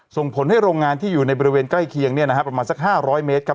ส่งผลให้โรงงานที่อยู่ในบริเวณใกล้เคียงประมาณสัก๕๐๐เมตรครับ